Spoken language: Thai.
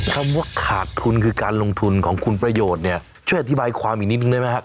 คำว่าขาดทุนคือการลงทุนของคุณประโยชน์เนี่ยช่วยอธิบายความอีกนิดนึงได้ไหมฮะ